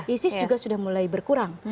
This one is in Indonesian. isis juga sudah mulai berkurang